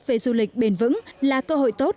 về du lịch bền vững là cơ hội tốt